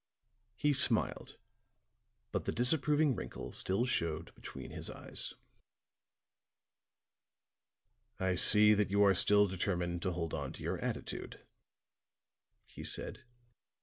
He smiled, but the disapproving wrinkle still showed between his eyes. "I see that you are still determined to hold to your attitude," he said.